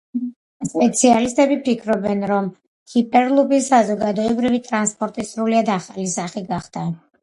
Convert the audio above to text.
სპეციალისტები ფიქრობენ, რომ ჰიპერლუპი საზოგადოებრივი ტრანსპორტის სრულიად ახალი სახე გახდება.